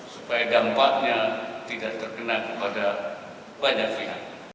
supaya dampaknya tidak terkena kepada banyak pihak